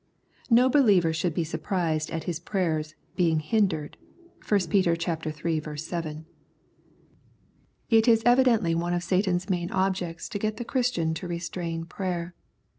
No beHever should be surprised at his prayers " being hindered " (i Pet. iii. 7). It is evidently one of Satan's main objects to get the Christian to restrain prayer.